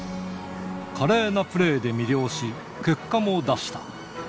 華麗なプレーで魅了し、結果も出した。